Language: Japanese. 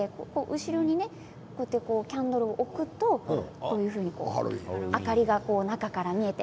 後ろにキャンドルを置くと明かりが中から見えて。